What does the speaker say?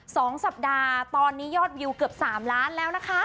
สองสัปดาห์ตอนนี้ยอดวิวเกือบสามล้านแล้วนะคะ